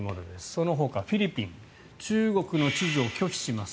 そのほか、フィリピン中国の地図を拒否します